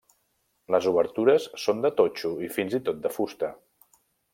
Les obertures són de totxo i fins i tot de fusta.